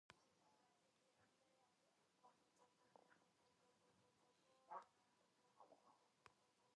بادي انرژي د افغانستان د صنعت لپاره ګټور مواد برابروي.